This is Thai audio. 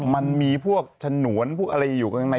พวกมันมีถ้านวนพวกอะไรอยู่ข้างใน